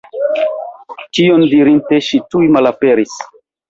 Tion dirinte ŝi tuj malaperis.